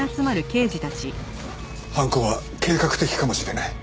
犯行は計画的かもしれない。